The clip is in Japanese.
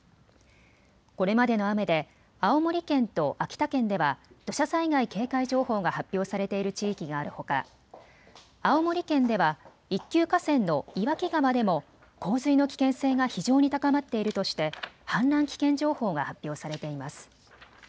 これまでの雨で青森県と秋田県では土砂災害警戒情報が発表されている地域があるほか青森県では一級河川の岩木川でも洪水の危険性が非常に高まっているとして氾濫危険情報が発表されています。